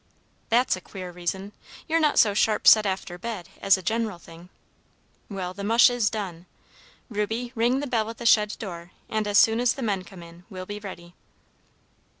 "That's a queer reason! You're not so sharp set after bed, as a general thing. Well, the mush is done. Reuby, ring the bell at the shed door, and as soon as the men come in, we'll be ready."